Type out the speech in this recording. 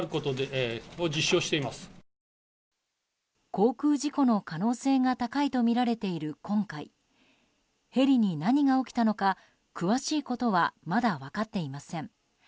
航空事故の可能性が高いとみられている今回ヘリに何が起きたのか詳しいことはまだ分かっていません。